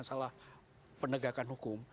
salah penegakan hukum